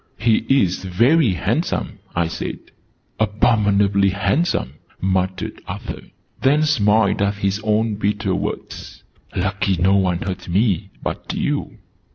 "He is very handsome," I said. "Abominably handsome!" muttered Arthur: then smiled at his own bitter words. "Lucky no one heard me but you!"